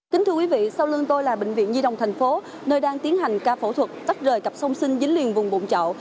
kính thưa quý vị sau lưng tôi là bệnh viện nhi đồng thành phố nơi đang tiến hành ca phẫu thuật tách rời cặp song sinh dính liền vùng bụng chậu